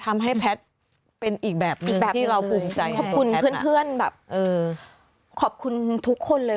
ทำให้แพทย์เป็นอีกแบบหนึ่งที่เราภูมิใจของแพทย์นะขอบคุณเพื่อนแบบขอบคุณทุกคนเลย